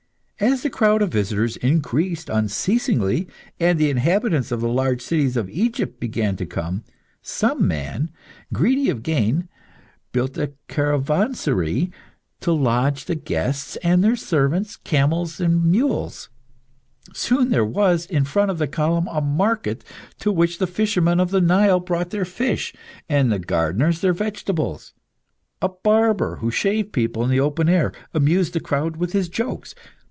As the crowd of visitors increased unceasingly, and the inhabitants of the large cities of Egypt began to come, some man, greedy of gain, built a caravanserai to lodge the guests and their servants, camels, and mules. Soon there was, in front of the column, a market to which the fishermen of the Nile brought their fish, and the gardeners their vegetables. A barber, who shaved people in the open air, amused the crowd with his jokes.